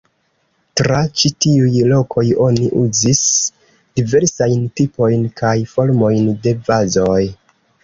Tra ĉi tiuj lokoj oni uzis diversajn tipojn kaj formojn de vazoj.